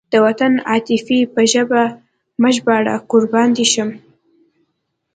د وطن د عاطفې په ژبه مه راژباړه قربان دې شم.